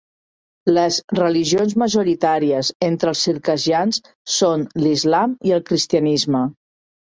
Les religions majoritàries entre els circassians són l'Islam i el cristianisme.